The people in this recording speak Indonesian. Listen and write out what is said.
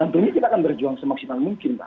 nantinya kita akan berjuang semaksimal mungkin mbak